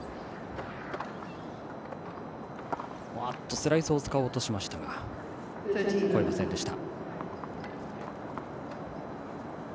スライスを使おうとしましたが越えませんでした。